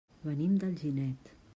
Venim d'Alginet.